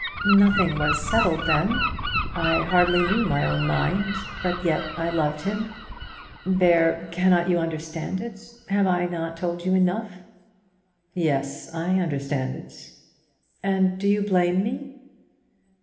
"Nothing was settled then. I hardly knew my own mind; but yet I loved him. There; cannot you understand it? Have I not told you enough?" "Yes, I understand it." "And do you blame me?"